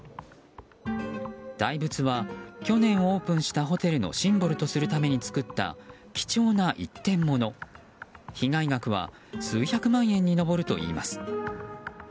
大仏は去年オープンしたホテルのシンボルとするために作った貴重な一点もの、被害額は数百万円に上るといいます。